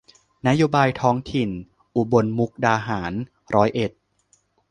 นโยบายท้องถิ่น อุบลมุกดาหารร้อยเอ็ด